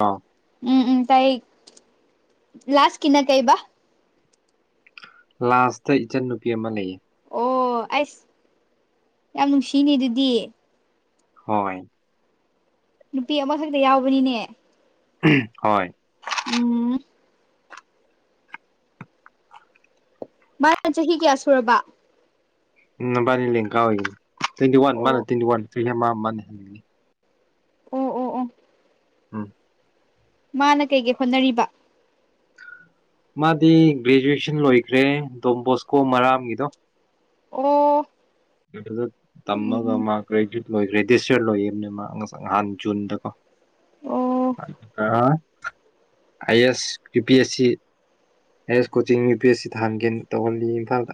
ꯑ ꯎꯝ ꯎꯝ ꯇꯥꯏ ꯂꯥꯁ ꯀꯅ ꯀꯩꯕ ꯂꯥꯁꯇ ꯏꯆꯟꯟꯅ ꯅꯨꯄꯤ ꯑꯃ ꯂꯩꯌꯦ ꯑꯣ ꯑꯩꯁ ꯌꯥꯝ ꯅꯨꯡꯁꯤꯅꯦ ꯑꯗꯨꯗꯤ ꯍꯣꯏꯣꯏ ꯅꯨꯄꯤ ꯑꯃꯈꯛꯇ ꯌꯥꯎꯕꯅꯤꯅꯦ ꯍꯣꯏ ꯎꯝ ꯃꯥꯅ ꯆꯍꯤ ꯀꯌꯥ ꯁꯨꯔꯕ ꯎꯝꯕꯥꯅꯤ ꯂꯀꯥ ꯑꯣꯏꯒꯅꯤ ꯇ꯭ꯋꯦꯟꯇꯤ ꯋꯥꯟ ꯃꯥꯅꯦ ꯑꯣ ꯇ꯭ꯋꯦꯟꯇꯤ ꯋꯥ ꯃꯥꯅꯦꯤ ꯑꯣ ꯑꯣ ꯑꯣ ꯎꯝ ꯃꯥꯅ ꯀꯩꯀꯩ ꯍꯣꯠꯅꯔꯤꯕ ꯃꯥꯗꯤ ꯒ꯭ꯔꯦꯖꯨꯑꯦꯁꯟ ꯂꯣꯏꯈ꯭ꯔꯦ ꯗꯣꯝꯕꯣꯁꯀꯣ ꯃꯔꯥꯝꯒꯤꯗꯣ ꯑꯣ ꯎꯝ ꯇꯝꯃꯒ ꯎꯝ ꯃꯥꯦ ꯒ꯭ꯔꯦꯖꯁꯔ ꯂꯣꯏꯌꯦꯕꯅꯦ ꯃꯥ ꯅꯍꯥꯟ ꯖꯨꯟꯗꯀꯣ ꯑꯣ ꯑꯥꯏ S U P S C ꯍꯥꯏꯌꯔꯁ coaching U P S C ꯊꯍꯒꯦ ꯇꯧꯍꯜꯂꯤ ꯏꯝꯐꯥꯜꯗ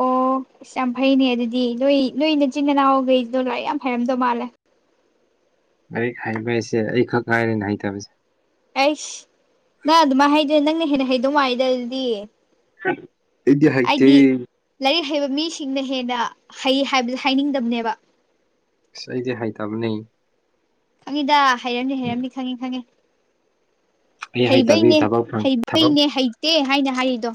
ꯑꯣ ꯑꯁ ꯌꯥꯝ ꯐꯩꯅꯦ ꯑꯗꯨꯗꯤ ꯅꯣꯏ ꯅꯣꯏ ꯅꯆꯤꯟ ꯏꯅꯥꯎꯈꯩꯗꯣ ꯂꯥꯏꯔꯤꯛ ꯌꯥꯝ ꯍꯩꯔꯝꯗꯧ ꯃꯥꯜꯂꯦ ꯍꯥꯏꯕ ꯍꯥꯏꯁꯦ ꯑꯩꯈꯛ ꯍꯥꯏꯔꯦꯅꯦ ꯍꯩꯇꯕꯁꯦ ꯑꯩꯁ ꯅꯪ ꯑꯗꯨꯃꯥꯏꯅ ꯍꯩꯗꯣꯏ ꯅꯪꯅ ꯍꯦꯟꯅ ꯍꯩꯗꯧ ꯃꯥꯗ ꯑꯗꯨꯗꯤ ꯏꯗꯤꯦ ꯍꯥꯏꯥꯏꯇ ꯑꯩꯗꯤ ꯂꯥꯏꯔꯤꯛ ꯍꯩꯕ ꯃꯤꯁꯤꯡꯅ ꯍꯦꯟꯅ ꯍꯩ ꯍꯥꯏꯕꯗ ꯍꯥꯏꯅꯤꯡꯗꯕꯅꯦꯕ ꯑꯁ ꯑꯩꯗꯤ ꯍꯥꯏꯇꯥꯕꯅꯦ ꯑꯪꯗ ꯍꯥꯏꯔꯝꯅꯤ ꯍꯥꯏꯔꯝꯅꯤ ꯈꯪꯉꯦ ꯈꯪꯉꯦ ꯑꯩ ꯍꯩꯇꯕꯤ ꯍꯩꯕꯩꯅꯦ ꯊꯕꯛ ꯐꯪ ꯊꯕꯛ ꯍꯩꯕꯩꯅꯦ ꯍꯩꯇꯦ ꯍꯥꯏꯅ ꯍꯥꯏꯔꯤꯗꯣ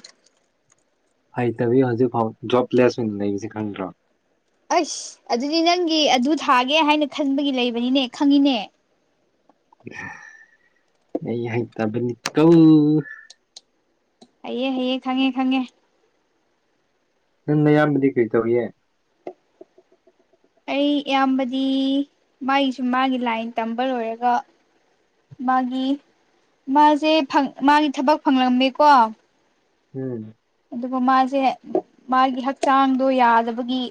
ꯍꯩꯇꯕꯤ ꯍꯧꯖꯤꯛꯐꯥꯎ ꯖꯣꯕꯂꯦꯁ ꯑꯣꯏꯅ ꯂꯩꯁ ꯈꯪꯗ꯭ꯔꯣ ꯑꯁ ꯑꯗꯨꯗꯤ ꯅꯪꯒꯤ ꯑꯗꯨ ꯊꯥꯒꯦ ꯍꯥꯏꯅ ꯈꯟꯕꯒꯤ ꯂꯩꯕꯅꯤꯅꯦ ꯈꯪꯉꯤꯅꯦ ꯑꯩ ꯍꯥꯏ ꯇꯕꯅꯤ ꯀꯧ ꯑꯌꯦ ꯍꯌꯦ ꯈꯪꯉꯦ ꯈꯪꯉꯦ ꯅꯪꯅ ꯑꯌꯥꯝꯕꯗꯤ ꯀꯩ ꯇꯧꯔꯤ ꯑꯩ ꯏꯌꯥꯝꯕꯗꯤ ꯃꯥꯒꯤꯁꯨ ꯃꯥꯒꯤ ꯂꯥꯏꯟ ꯇꯝꯕ ꯂꯣꯏꯔꯒ ꯃꯥꯒꯤ ꯃꯥꯁꯦ ꯃꯥꯒꯤ ꯊꯕꯛ ꯐꯪꯂꯝꯃꯦꯀꯣ ꯎꯝ ꯑꯗꯨꯒ ꯃꯥꯁꯦ ꯃꯥꯒꯤ ꯍꯛꯆꯥꯡꯗꯣ ꯌꯥꯗꯕꯒꯤ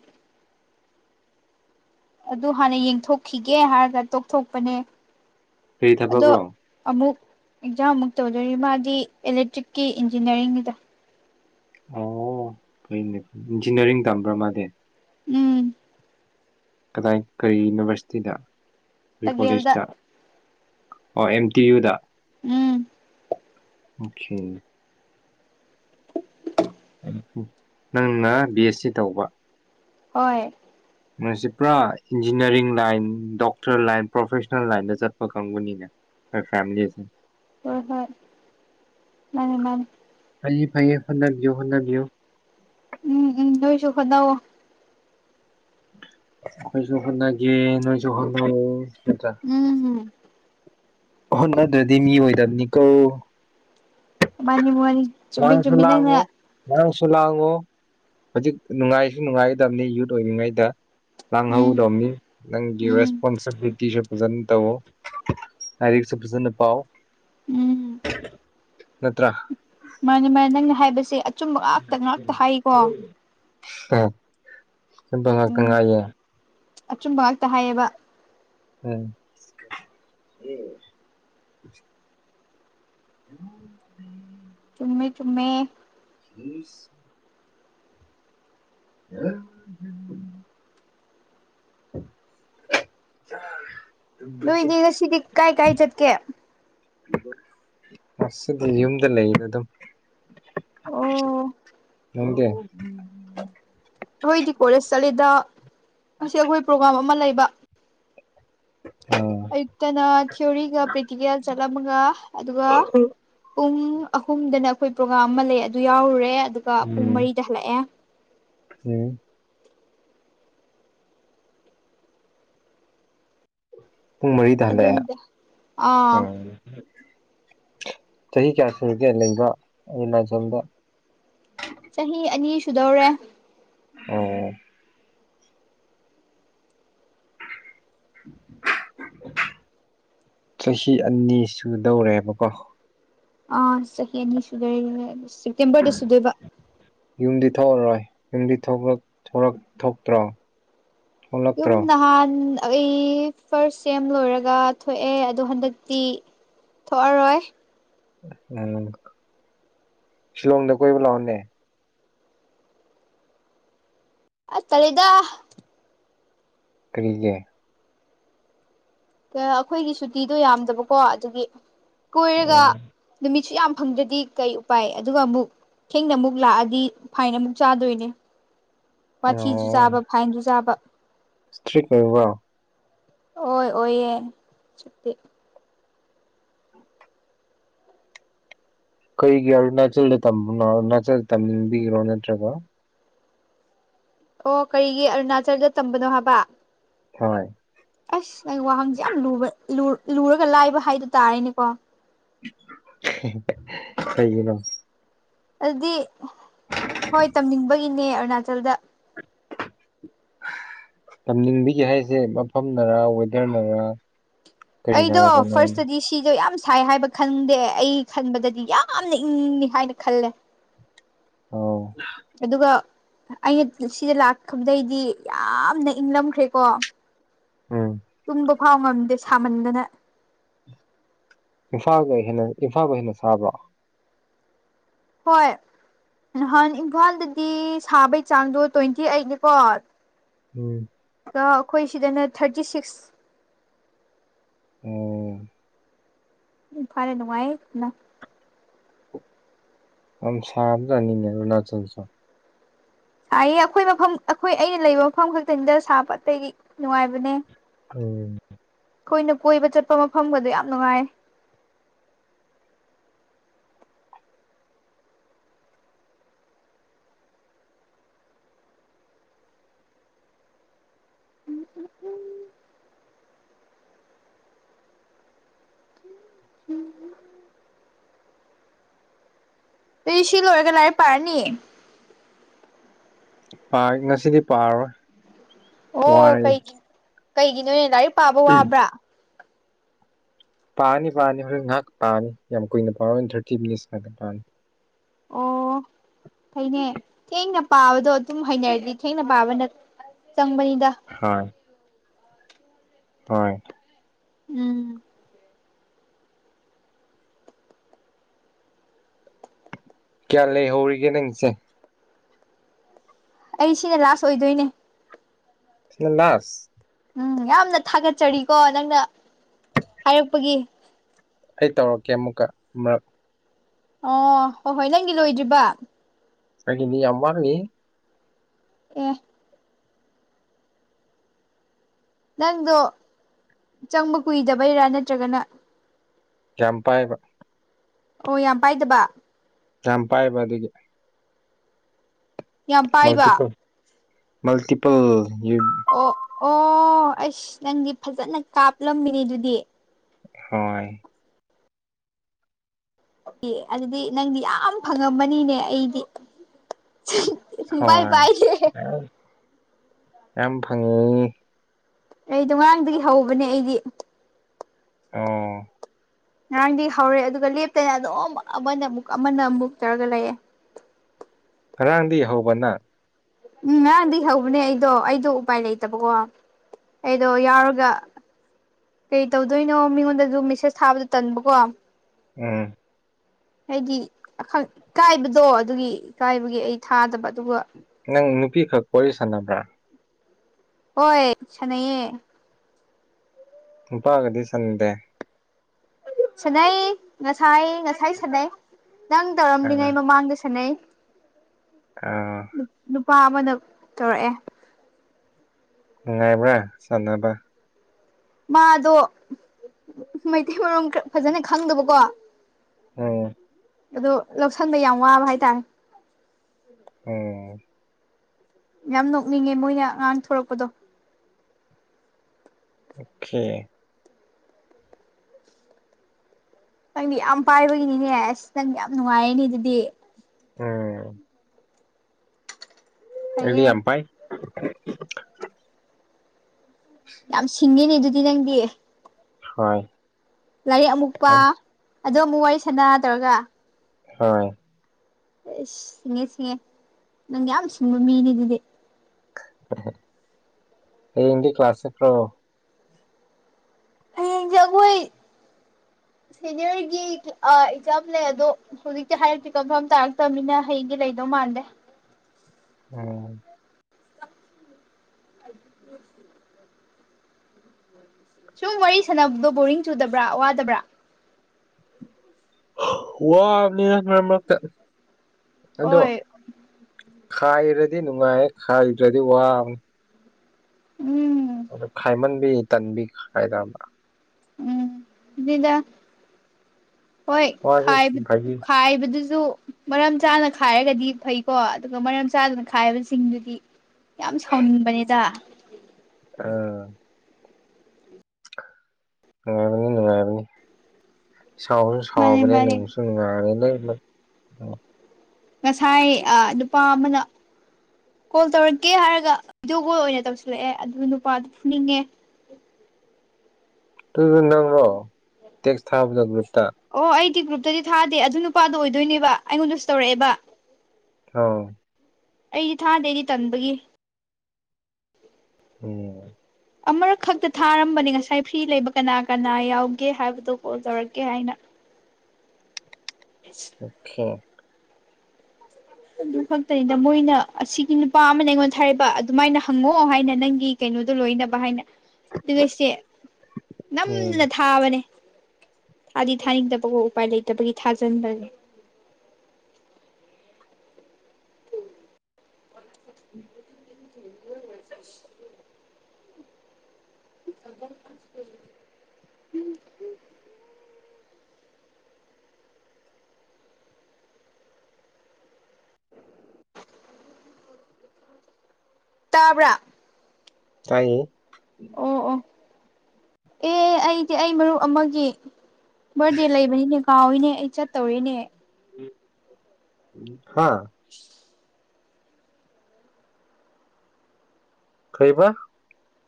ꯑꯗꯨ ꯍꯥꯟꯅ ꯌꯦꯡꯊꯣꯛꯈꯤꯒꯦ ꯍꯥꯏꯔꯒ ꯇꯣꯛꯊꯣꯛꯄꯅꯦ ꯀꯔꯤ ꯑꯗꯣ ꯊꯕꯛꯔꯣ ꯑꯃꯨꯛ ꯑꯦꯛꯖꯥꯝ ꯑꯃꯨꯛ ꯇꯧꯗꯣꯔꯤ ꯃꯥꯗꯤ ꯑꯦꯂꯦꯛꯇ꯭ꯔꯤꯛꯀꯤ ꯏꯟꯖꯤꯅꯤꯌꯥꯔꯤꯡꯒꯤꯗ ꯑꯣ ꯐꯣꯏꯅꯦ ꯏꯟꯖꯤꯅꯤꯌꯥꯔꯤꯡ ꯇꯝꯕ꯭ꯔꯥ ꯃꯥꯗꯤ ꯎꯝ ꯀꯗꯥꯏ ꯀꯔꯤ ꯌꯨꯅꯤꯚꯔꯁꯤꯇꯤꯗ ꯀꯈꯔꯤ ꯇꯒꯦꯜꯗ ꯀꯣꯂꯦꯖꯇ ꯑꯣ ꯑꯦꯝ ꯇꯤ ꯌꯨꯗ ꯎꯝ ꯑꯣ ꯅꯪꯅ ꯕꯤ ꯑꯦꯁ ꯁꯤ ꯇꯧꯕ ꯑꯣꯏ ꯃꯁꯤ ꯄꯨꯔꯥ engineering line doctor line professional ꯂꯥꯏꯟꯗ ꯆꯠꯄ ꯀꯥꯡꯪꯕꯨꯅꯤꯅꯦ ꯐ ꯐꯂꯤꯁꯦ ꯍꯣꯏ ꯍꯣꯏ ꯃꯥꯅꯤ ꯃꯥ ꯐꯥꯏꯌꯦ ꯐꯥꯏꯌꯦ ꯍꯟꯅꯕꯤꯌꯣ ꯍꯟꯅꯕꯤꯌꯣ ꯎꯝ ꯎꯝ ꯂꯣꯏꯁꯨ ꯍꯣꯠꯅꯧꯑꯣ ꯑꯩꯈꯣꯏꯁꯨ ꯍꯣꯠꯅꯒꯦ ꯅꯣꯏꯁꯨ ꯍꯣꯠꯅꯧꯑꯣ ꯎꯝ ꯍꯣꯏ ꯅꯗ꯭ꯔꯗꯤ ꯃꯤ ꯑꯣꯏꯗꯕꯅꯤꯀꯣ ꯃꯥꯅꯤ ꯃꯅꯤ ꯃꯁ ꯂꯉꯣ ꯉꯔꯥꯡꯁꯨ ꯂꯥꯡꯉꯣ ꯍꯧꯖꯤꯛ ꯅꯨꯡꯉꯥꯏꯁꯨ ꯅꯨꯡꯉꯥꯏꯒꯗꯕꯅꯤ ꯌꯨꯠ ꯑꯣꯏꯔꯤꯉꯩꯗ ꯅꯥꯡꯍꯧ ꯎꯝ ꯎꯗꯧꯅꯤ ꯅꯪꯒꯤ ꯎꯝ ꯔꯦꯁꯄꯣꯟꯁꯤꯕꯤꯂꯤꯇꯤꯁꯨ ꯐꯖꯅ ꯇꯧꯋ ꯂꯥꯏꯔꯤꯛꯁꯨ ꯐꯖꯅ ꯄꯥꯎ ꯎꯝ ꯅꯠꯇ꯭ꯔ ꯃꯥꯅꯤ ꯃꯥ ꯅꯪꯅ ꯍꯥꯏꯕꯁꯦ ꯑꯆꯨꯝꯕ ꯉꯥꯛꯇ ꯉꯥꯛꯇ ꯍꯥꯏꯀꯣ ꯑ ꯆꯄ ꯉꯥꯛꯇꯪ ꯎꯝ ꯉꯥꯏꯌꯦ ꯑꯆꯨꯝꯕ ꯉꯥꯛꯇ ꯍꯥꯏꯌꯦꯕ [unintelligible] ꯑꯣ ꯎꯝ ꯇꯃꯤ ꯇꯃꯤ [unintelligible] [unintelligible] [unintelligible] ꯅꯣꯏꯅꯦ ꯉꯁꯤꯗꯤ ꯀꯥꯏ ꯀꯥꯏ ꯆꯠꯀꯦ ꯃꯁꯤꯗꯤ ꯌꯨꯝꯗ ꯂꯩꯌꯦꯅ ꯑꯗꯨꯝ ꯑꯣ ꯅꯝ ꯀꯦ ꯑꯩꯈꯣꯏꯗꯤ ꯀꯣꯂꯦꯖ ꯆꯠꯂꯤꯗ ꯑꯁꯤ ꯑꯩꯈꯣꯏ ꯄ꯭ꯔꯣꯒꯥ꯭ꯔꯥꯝ ꯑꯃ ꯂꯩꯕ ꯎꯝ ꯑꯌꯨꯛꯇꯅ ꯊꯤꯑꯣꯣꯔꯤꯒ ꯄ꯭ꯔꯦꯛꯇꯤꯀꯦꯜ ꯆꯠꯂꯝꯃꯒ ꯑꯗꯨꯒ ꯄꯨꯡ ꯑꯍꯨꯝꯗꯅ ꯑꯩꯈꯣꯏ ꯄ꯭ꯔꯣꯒꯥꯝ ꯑꯃ ꯂꯩ ꯑꯗꯨ ꯌꯥꯎꯔꯨꯔꯦ ꯑꯗꯨꯒ ꯄꯨꯡ ꯎꯝ ꯃꯔꯤꯗ ꯍꯜꯂꯛꯑꯦ ꯎꯝ ꯄꯨꯡ ꯃꯔꯤꯗ ꯍꯜꯂꯛꯑꯦ ꯑꯗꯨꯗ ꯑꯥ ꯎꯝ ꯆꯍꯤ ꯀꯌꯥ ꯁꯨꯨꯔꯒꯦ ꯂꯩꯕ ꯑꯔꯨꯅꯥꯆꯜꯗ ꯆꯍꯤ ꯑꯅꯤ ꯁꯨꯗꯧꯔꯦ ꯑꯣ ꯆꯍꯤ ꯑꯅꯤ ꯁꯨꯗꯧꯔꯦꯕꯀꯣ ꯑꯥ ꯆꯍꯤ ꯑꯅꯤ ꯁꯨꯗꯣꯏꯔꯦ ꯁꯦꯞꯇꯦꯝꯕꯔꯗ ꯁꯨꯗꯣꯏꯕ ꯌꯨꯝꯗꯤ ꯊꯣꯛꯑꯔꯣꯏ ꯌꯨꯝꯗꯤ ꯊꯣꯛꯇ꯭ꯔꯣ ꯌꯨꯝ ꯊꯣꯛꯂꯛꯇ꯭ꯔꯣ ꯅꯍꯥꯟꯥꯟ ꯑꯩ ꯐꯥꯔꯁ ꯁꯦꯝ ꯂꯣꯏꯔꯒ ꯊꯣꯛꯑꯦ ꯑꯗꯣ ꯍꯟꯗꯛꯇꯤ ꯊꯣꯛꯑꯔꯣꯏ ꯎꯝ ꯁꯤꯂꯣꯡꯗ ꯀꯣꯏꯕ ꯂꯥꯛꯑꯣꯅꯦ ꯑ ꯇꯂꯤꯦꯗ ꯀꯔꯤꯒꯦ ꯑꯩꯈꯣꯏꯒꯤ ꯁꯨꯇꯤꯗꯣ ꯌꯥꯝꯗꯕꯀꯣ ꯑꯗꯨꯒꯤ ꯀꯣꯏꯔꯒ ꯑꯣ ꯅꯨꯃꯤ ꯁꯨ ꯌꯥꯝ ꯐꯪꯗ꯭ꯔꯗꯤ ꯀꯩ ꯎꯄꯥꯏ ꯑꯗꯨꯒ ꯑꯃꯨꯛ ꯊꯦꯡꯅ ꯑꯃꯨꯛ ꯂꯥꯛꯑꯗꯤ ꯐꯥꯏꯟ ꯑꯃꯨꯛ ꯆꯥꯗꯣꯏꯅꯦ ꯋꯥꯊꯤꯁꯨ ꯑꯣ ꯆꯥꯕ ꯐꯥꯏꯟꯁꯨ ꯆꯥꯕ ꯏꯁꯇ꯭ꯔꯤꯛ ꯑꯣꯏꯕꯣ ꯑꯣꯏ ꯑꯣꯏꯌꯦ ꯁꯨꯛꯇꯤ ꯀꯩꯒꯤ ꯅꯅꯥꯆꯜꯗ ꯇꯝꯕꯅꯣ ꯅꯅꯥꯆꯜꯗ ꯇꯝꯅꯤꯡꯕꯤꯈ꯭ꯔꯣ ꯅꯠꯇ꯭ꯔꯒ ꯑꯣ ꯀꯔꯤꯒꯤ ꯑꯔꯨꯅꯥꯆꯜꯗ ꯇꯝꯕꯅꯣ ꯍꯥꯏꯕ ꯍꯣꯏ ꯑꯁ ꯅ ꯋꯥꯍꯪꯁꯦ ꯌꯥꯝ ꯂꯨꯕ ꯂꯨꯔꯒ ꯂꯥꯏꯕ ꯍꯥꯏꯗꯨ ꯇꯥꯔꯦꯅꯦꯀꯣ ꯁꯩꯒꯤꯅ ꯑꯗꯨꯗꯤ ꯍꯣꯏ ꯇꯝꯅꯤꯡꯕꯒꯤꯅꯦ ꯑꯔꯨꯅꯥꯆꯜꯗ ꯇꯝꯅꯤꯡꯕꯒꯤ ꯍꯥꯏꯁꯦ ꯃꯐꯝ ꯅꯔꯥ ꯋꯦꯗꯔꯅꯔꯥ ꯑꯩꯗꯣ ꯐꯥꯔꯁꯇꯗꯤ ꯁꯤꯗꯣ ꯌꯥꯝ ꯁꯥꯏ ꯍꯥꯏꯕ ꯈꯪꯗꯦ ꯑꯩ ꯈꯟꯕꯗꯗꯤ ꯌꯥꯝꯅ ꯏꯪꯅꯤ ꯍꯥꯏꯅ ꯈꯜꯂꯦ ꯑꯣ ꯑꯗꯨꯒ ꯑꯩꯅ ꯁꯤꯗ ꯂꯥꯛꯕꯗꯩꯗꯤ ꯌꯥꯝꯅ ꯏꯪꯂꯝꯈ꯭ꯔꯦꯀꯣ ꯎꯝ ꯇꯨꯝꯕ ꯐꯥꯎ ꯉꯝꯗꯦ ꯁꯥꯃꯟꯗꯅ ꯏꯝꯐꯥꯜꯒ ꯍꯦꯟꯅ ꯏꯝꯐꯥꯜꯒ ꯍꯦꯟꯅ ꯆꯥꯕ꯭ꯔꯣ ꯍꯣꯏ ꯅꯍꯥꯟ ꯏꯝꯐꯥꯜꯗꯗꯤ ꯁꯥꯕꯩ ꯆꯥꯡꯗꯣ ꯇ꯭ꯋꯦꯟꯇꯤ ꯑꯩꯠꯅꯤꯀꯣ ꯎꯝ ꯑꯩꯈꯣꯏ ꯁꯤꯗꯅ ꯊꯥꯔꯇꯤ ꯁꯤꯛꯁ ꯑꯣ ꯎꯝ ꯐꯔꯦ ꯅꯨꯡꯉꯥꯏ ꯑꯩ ꯌꯥꯝꯝ ꯁꯝꯁ ꯅꯤꯅꯤꯔ ꯅꯆꯁꯨ ꯇꯥꯏꯌꯦ ꯑꯩꯈꯣꯏ ꯃꯐꯝ ꯑꯩꯈꯣꯏ ꯑꯩꯅ ꯂꯩꯕ ꯃꯐꯝ ꯈꯛꯇꯅꯤꯗ ꯁꯥꯕ ꯑꯇꯩꯗꯤ ꯅꯨꯡꯉꯥꯏꯕꯅꯦ ꯎ ꯑꯩꯈꯣꯏꯅ ꯀꯣꯏꯕ ꯆꯠꯄ ꯃꯐꯝꯒꯗꯣ ꯌꯥꯝ ꯅꯨꯡꯉꯥꯏ ꯑ ꯁꯤ ꯂꯣꯏꯔꯒ ꯂꯥꯏꯔ ꯄꯥꯔꯅꯤ ꯉꯁꯤꯗꯤ ꯄꯥꯔꯣꯏ ꯑꯣ ꯀꯩꯒꯤ ꯀꯩꯒꯤ ꯅꯣꯏꯅ ꯂꯥꯏꯔꯤꯛ ꯄꯥꯕ ꯋꯥꯕ꯭ꯔꯥ ꯄꯥꯅꯤ ꯄꯥꯅꯤ ꯍꯣꯔ ꯉꯥꯏꯍꯥꯛ ꯄꯥꯅꯤ ꯌꯥꯝ ꯀꯨꯏꯅ ꯄꯥꯅꯤ ꯋꯟ ꯊꯥꯔꯇꯤ ꯃꯤꯅꯤꯠꯁ ꯉꯥꯛꯇ ꯄꯥꯅꯤ ꯑꯣ ꯐꯩꯅꯦ ꯊꯦꯡꯅ ꯄꯥꯕꯗꯣ ꯑꯗꯨꯝ ꯍꯩꯅꯔꯗꯤ ꯊꯦꯡꯅ ꯄꯥꯕꯅ ꯆꯪꯕꯅꯤꯗ ꯍꯣꯏ ꯍꯣꯏ ꯎꯝ ꯀꯌꯥ ꯂꯩꯍꯧꯔꯤꯒꯦ ꯅꯪꯁꯦ ꯑꯩ ꯁꯤꯅ ꯂꯥꯁ ꯑꯣꯏꯗꯣꯏꯅꯦ ꯁꯤꯅ ꯂꯁ ꯎꯝ ꯌꯥꯝꯅ ꯊꯥꯒꯠꯆꯔꯤꯀꯣ ꯅꯪꯅ ꯍꯥꯏꯔꯛꯄꯒꯤ ꯑꯩ ꯇꯧꯔꯛꯀꯦ ꯑꯃꯨꯛꯀ ꯑꯃꯛ ꯑꯣ ꯍ ꯍꯣꯏ ꯅꯪꯒꯤ ꯂꯣꯏꯗ꯭ꯔꯤꯕ ꯍꯥꯏꯅꯤ ꯑꯃꯅꯤ ꯑꯦ ꯅꯪꯗꯣ ꯆꯪꯕ ꯀꯨꯏꯗꯕꯩꯔꯥ ꯅꯠꯇ꯭ꯔꯒꯅ ꯆꯝꯄꯥꯏꯕ ꯑꯣ ꯌꯥꯝ ꯄꯥꯏꯗꯕ ꯌꯥꯝ ꯄꯥꯏꯕ ꯑꯗꯨꯒꯤ ꯌꯥꯝ ꯄꯥꯏꯕ ꯃꯜꯇꯤꯄꯜ ꯃꯜꯇꯤꯄꯜ ꯌ ꯑꯣ ꯑꯣ ꯑꯩꯁ ꯅꯪꯗꯤ ꯐꯖꯅ ꯀꯥꯞꯂꯝꯃꯤꯅꯤ ꯑꯗꯨꯗꯤ ꯍꯣꯏ ꯑꯗꯨꯗꯤ ꯅꯪꯗꯤ ꯌꯥꯝ ꯐꯪꯉꯝꯕꯅꯤꯅꯦ ꯑꯩꯗꯤ ꯍ ꯁꯨꯡꯄꯥꯏ ꯄꯥꯏꯗꯦ ꯌꯥꯝ ꯐꯪꯉꯤ ꯑꯩꯗꯣ ꯉꯔꯥꯡꯗꯒꯤ ꯍꯧꯕꯅꯦ ꯑꯩꯗꯤ ꯑꯣ ꯉꯔꯥꯡꯗꯤ ꯍꯧꯔꯦ ꯑꯗꯨꯒ ꯂꯦꯞꯇꯅ ꯑꯗꯨꯝ ꯑꯃꯅ ꯑꯃꯨꯛ ꯑꯃꯅ ꯑꯃ ꯃꯨꯛꯇꯔꯒ ꯂꯩꯑꯦ ꯉꯔꯥꯡꯗꯤ ꯌꯍꯧꯕꯅ ꯎꯝ ꯉꯔꯥꯡꯗꯒꯤ ꯍꯧꯕꯅꯦ ꯑꯩꯗꯣ ꯑꯩꯗꯣ ꯎꯄꯥꯏ ꯂꯩꯇꯕꯀꯣ ꯑꯩꯗꯣ ꯌꯥꯎꯔꯒ ꯀꯩ ꯇꯧꯗꯣꯏꯅꯣ ꯃꯤꯉꯣꯟꯗꯁꯨ ꯃꯦꯁꯦꯁ ꯊꯥꯕꯗꯣ ꯇꯟꯕꯀꯣ ꯎꯝ ꯍꯥꯏꯗꯤ ꯏ ꯀꯥꯏꯕꯗꯣ ꯑꯗꯨꯒꯤ ꯏꯀꯥꯏꯕꯒꯤ ꯑꯩ ꯊꯥꯗꯕ ꯑꯗꯨꯒ ꯅꯪ ꯅꯨꯄꯤꯈꯛ ꯋꯥꯔꯤ ꯁꯥꯟꯅꯕ꯭ꯔꯥ ꯍꯣꯏ ꯁꯥꯟꯅꯩꯌꯦ ꯄꯥꯒꯗꯤ ꯁꯟꯗꯦ ꯁꯅꯩ ꯉꯁꯥꯏ ꯉꯁꯥꯏ ꯁꯗꯩ ꯅꯪ ꯑ ꯇꯧꯔꯝꯂꯤꯉꯩ ꯃꯃꯥꯡꯗ ꯁꯥꯟꯅꯩ ꯑ ꯅꯨꯄꯥ ꯑꯃꯅ ꯇꯧꯔꯛꯑꯦ ꯅꯨꯡꯉꯥꯏꯕ꯭ꯔꯥ ꯆꯥꯟꯅꯕ ꯃꯥꯗꯣ ꯃꯩꯇꯩ ꯃꯔꯣꯡ ꯈꯔ ꯐꯖꯅ ꯈꯪꯗꯕꯀꯣ ꯑꯣ ꯑꯗꯣ ꯂꯧꯁꯪꯕ ꯌꯥꯝ ꯋꯥꯕ ꯍꯥꯏꯇꯥꯔꯦ ꯑꯣ ꯌꯥꯝ ꯅꯣꯛꯅꯤꯡꯉꯦ ꯃꯣꯏꯅ ꯑꯉꯥꯡ ꯊꯣꯔꯛꯄꯗꯣ ꯑꯣꯀꯦ ꯅꯪꯗꯤ ꯌꯥꯝ ꯄꯥꯏꯕꯒꯤꯅꯤꯅꯦ ꯑꯁ ꯅꯪ ꯌꯥꯝ ꯅꯨꯡꯉꯥꯏꯔꯅꯦ ꯑꯗꯨꯗꯤ ꯎꯝ ꯑꯗꯨꯗꯤ ꯐꯩꯌꯦ ꯌꯥꯝꯄꯥꯏ ꯌꯥꯝ ꯁꯤꯡꯉꯤꯅꯦ ꯑꯗꯨꯗꯤ ꯅꯪꯗꯤ ꯍꯣꯏ ꯂꯥꯏꯔꯤꯛ ꯑꯃꯨꯛꯄ ꯑꯗ ꯑꯃꯨꯛ ꯋꯥꯔꯤ ꯁꯥꯟꯅ ꯇꯧꯔꯒ ꯍꯣꯏ ꯑꯦꯁ ꯁꯤꯡꯉꯦ ꯁꯤꯡꯉꯦ ꯅꯪ ꯌꯥꯝ ꯁꯤꯡꯕ ꯃꯤꯅꯦ ꯑꯗꯨꯗꯤ ꯍ ꯍꯌꯦꯡꯗꯤ ꯀ꯭ꯂꯥ ꯆꯇ꯭ꯔꯣ ꯍꯌꯦꯡꯁꯦ ꯑꯩꯈꯣꯏ ꯁꯦꯅꯤꯌꯔꯒꯤ ꯑꯦꯛꯖꯥꯝ ꯂꯩ ꯑꯗꯣ ꯍꯧꯖꯤꯛꯇꯤ ꯍꯥꯏꯔꯤꯁꯤ ꯀꯝꯐ ꯇꯥꯔꯛꯇꯕꯅꯤꯅ ꯍꯩꯗꯤ ꯂꯩꯗꯧ ꯃꯥꯟꯗꯦ ꯎꯝ [unintelligible] ꯁꯨꯝ ꯋꯥꯔꯤ ꯁꯥꯟꯅꯕꯗꯣ ꯕꯣꯔꯤꯡ ꯆꯨꯗꯕ꯭ꯔꯥ ꯋꯥꯗꯕ꯭ꯔꯥ ꯋꯥꯕꯅꯤꯅ ꯃꯔꯛ ꯃꯔꯛꯇ ꯑꯗꯣ ꯍꯣꯏ ꯈꯥꯏꯔꯗꯤ ꯅꯨꯡꯉꯥꯏ ꯈꯥꯏꯗ꯭ꯔꯗꯤ ꯋꯥꯕꯅꯦ ꯎꯝ ꯑꯗꯨ ꯈꯥꯏꯃꯟꯕꯤ ꯇꯟꯕꯤ ꯈꯥꯏꯔꯕ ꯎꯝ ꯅꯤꯗ ꯍꯣꯏ ꯋꯥꯁꯨ ꯐꯒꯤ ꯈꯥꯏꯕꯗꯨꯁꯨ ꯃꯔꯝ ꯆꯥꯅ ꯈꯥꯏꯔꯒꯗꯤ ꯐꯩꯀꯣ ꯑꯗꯨꯒ ꯃꯔꯝ ꯆꯥꯗꯅ ꯈꯥꯏꯕꯁꯤꯡꯗꯨꯗꯤ ꯌꯥꯝ ꯁꯥꯎꯅꯤꯡꯕꯅꯤꯗ ꯑꯥ ꯅꯨꯡꯉꯥꯏꯕꯅꯤ ꯅꯨꯡꯉꯥꯏꯕꯅꯤ ꯁꯥꯎꯁꯨ ꯃꯥꯅꯦ ꯁꯥꯎꯕꯅꯦ ꯃꯥꯅꯦ ꯅꯅꯨꯡꯁꯨ ꯅꯨꯡꯉꯅꯤ ꯂꯩ ꯉꯁꯥꯏ ꯅꯨꯄꯥ ꯑꯃꯅ ꯀꯣꯜ ꯇꯧꯔꯛꯀꯦ ꯍꯥꯏꯔꯒ ꯚꯗꯤꯑꯣ ꯀꯣꯜ ꯑꯣꯏꯅ ꯇꯧꯁꯤꯜꯂꯛꯑꯦ ꯑꯗꯨ ꯅꯨꯄꯥꯗꯨ ꯐꯨꯅꯤꯡꯉꯦ ꯇꯨꯁꯨ ꯅꯪꯕꯣ ꯇꯦꯛꯁ ꯊꯥꯕꯗ ꯒ꯭ꯔꯨꯞꯇ ꯑꯣ ꯑꯩꯗꯤ ꯒ꯭ꯔꯨꯞꯇꯗꯤ ꯊꯥꯗꯦ ꯑꯗꯨ ꯅꯨꯄꯥꯗꯣ ꯑꯣꯏꯗꯣꯏꯅꯦꯕ ꯑꯩꯉꯣꯟꯗꯁꯨ ꯇꯧꯔꯛꯑꯦꯕ ꯑꯣ ꯑꯩꯗꯤ ꯊꯥꯗꯦꯗꯤ ꯇꯟꯕꯒꯤ ꯎꯝ ꯑꯃꯨꯔꯛ ꯈꯛꯇ ꯊꯥꯔꯝꯕꯅꯤ ꯉꯁꯥꯏ ꯐ꯭ꯔꯤ ꯂꯩꯕ ꯀꯅꯥ ꯀꯅꯥ ꯌꯥꯎꯒꯦ ꯍꯥꯏꯕꯗꯣ ꯀꯣꯜ ꯇꯧꯔꯛꯀꯦ ꯍꯥꯏꯅ ꯑ [unintelligible] ꯑꯣꯀꯦ ꯑꯗꯨ ꯈꯛꯇꯅꯤꯗ ꯃꯣꯏꯅ ꯑꯁꯤꯒꯤ ꯅꯨꯄꯥ ꯑꯃꯅ ꯑꯩꯉꯣꯟ ꯊꯔꯦꯕ ꯑꯗꯨꯃꯥꯏꯅ ꯍꯪꯉꯣ ꯍꯥꯏꯅ ꯅꯪꯒꯤ ꯀꯩꯅꯣꯗꯣ ꯂꯣꯏꯅꯕ ꯍꯥꯏꯅ ꯑꯗꯨꯒꯁꯦ ꯅꯝꯅ ꯎꯝ ꯊꯥꯕꯅꯦ ꯊꯥꯗꯤ ꯊꯥꯅꯤꯡꯗꯕꯀꯣ ꯎꯄꯥꯏ ꯂꯩꯇꯕꯒꯤ ꯊꯥꯖꯤꯟꯕꯅꯦ ꯎꯝ [inaudible] ꯝ [unintelligible] ꯇꯥꯕ꯭ꯔꯥ ꯇꯥꯏꯌꯦ ꯑꯣ ꯑꯣ ꯑꯦ ꯑꯩꯗꯤ ꯑꯩ ꯃꯔꯨꯞ ꯑꯃꯒꯤ ꯕꯥꯔꯗꯦ ꯂꯩꯕꯅꯤꯅꯦ ꯀꯥꯎꯏꯤꯅꯦ ꯑꯩ ꯆꯠꯇꯧꯔꯤꯅꯦ ꯍꯥ [inaudible] ꯀꯩꯕ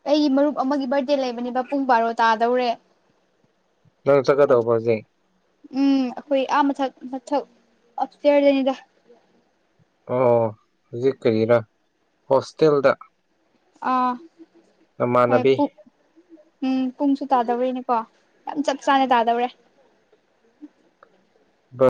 ꯑꯩꯒꯤ ꯃꯔꯨꯞ ꯑꯃꯒꯤ ꯕꯥꯔꯗꯦ ꯂꯩꯕꯅꯦꯕ ꯄꯨꯡ ꯕꯥꯔꯣ ꯇꯥꯗꯧꯔꯦ ꯅꯪ ꯑꯗꯨ ꯆꯠꯒꯗꯧꯕꯁꯦ ꯎꯝ ꯑꯩꯈꯣꯏ ꯑꯥ ꯃꯊꯛ ꯃꯊꯛ ꯑꯞꯇꯔꯗꯅꯤꯗ ꯑꯣ ꯍꯧꯖꯤꯛ ꯀꯔꯤꯔ ꯍꯣꯁꯇꯦꯜꯗ ꯑꯥ ꯍꯣꯏ ꯅꯃꯥꯟꯅꯕꯤ ꯎꯝ ꯄꯨꯡꯁꯨ ꯇꯥꯗꯧꯔꯤꯅꯦꯀꯣ ꯌꯥꯝ ꯆ ꯆꯥꯅꯦ ꯇꯥꯗꯕꯔꯦ